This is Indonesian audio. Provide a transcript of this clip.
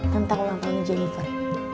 tentang melakonnya jennifer